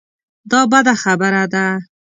دا بده خبره ده.